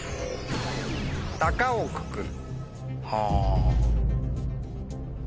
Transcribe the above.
「高をくくる」。